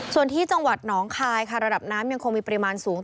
ส่วนที่จังหวัดหนองคายค่ะระดับน้ำยังคงมีปริมาณสูง